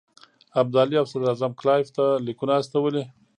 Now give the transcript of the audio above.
ابدالي او صدراعظم کلایف ته لیکونه استولي.